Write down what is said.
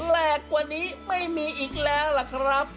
แหลกกว่านี้ไม่มีอีกแล้วล่ะครับ